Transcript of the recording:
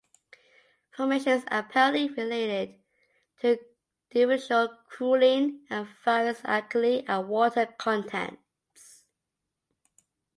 Formation is apparently related to differential cooling and various alkali and water contents.